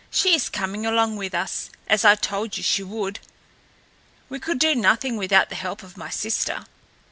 "She is coming along with us, as I told you she would. We could do nothing without the help of my sister.